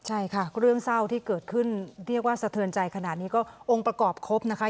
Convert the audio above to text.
ใช่ค่ะเรื่องเศร้าที่เกิดขึ้นเรียกว่าสะเทือนใจขนาดนี้ก็องค์ประกอบครบนะคะ